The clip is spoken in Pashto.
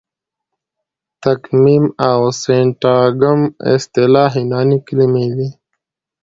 تګمیم او د سینټاګم اصطلاح یوناني کلیمې دي.